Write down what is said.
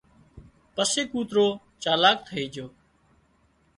پسي ڪوترو چالاڪ ٿئي جھو